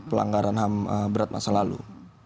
pelanggaran ham berat masa lalu